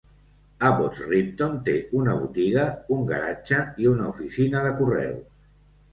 Abbots Ripton té una botiga, un garatge i una oficina de correus.